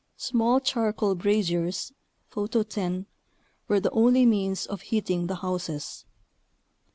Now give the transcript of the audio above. Small charcoal braziers (Photo 10) were the only means of heating the houses.